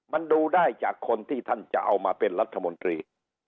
มันดูได้จากคนที่ท่านจะเอามาเป็นรัฐมนตรี